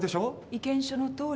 意見書のとおり。